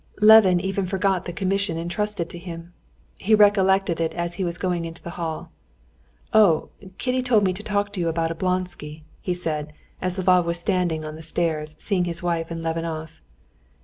Levin even forgot the commission intrusted to him. He recollected it as he was going into the hall. "Oh, Kitty told me to talk to you about Oblonsky," he said, as Lvov was standing on the stairs, seeing his wife and Levin off.